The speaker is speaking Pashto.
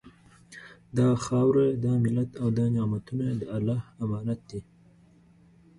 دا خاوره، دا ملت او دا نعمتونه د الله امانت دي